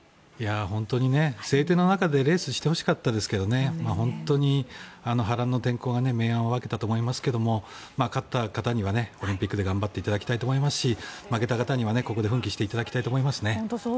本当に晴天の中でレースしてほしかったですけど本当に波乱の天候が明暗を分けたと思いますが勝った方にはオリンピックで頑張っていただきたいと思いますし負けた方にはここで奮起していただきたいと思いますね。